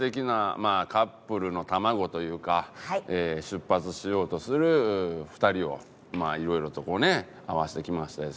カップルの卵というか出発しようとする２人をいろいろとこうね会わせてきましたです